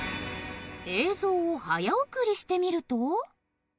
映像を早送りしてみると？